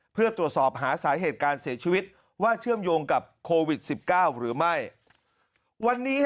เพื่อตรวจสอบหาสาเหตุการเสียชีวิตว่าเชื่อมโยงกับโควิด๑๙หรือไม่วันนี้